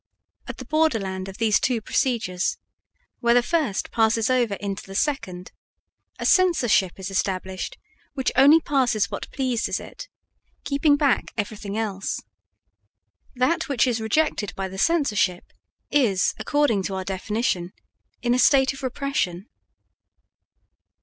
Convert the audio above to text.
At the borderland of these two procedures, where the first passes over into the second, a censorship is established which only passes what pleases it, keeping back everything else. That which is rejected by the censorship is, according to our definition, in a state of repression.